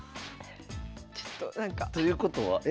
ちょっとなんか。ということはえ？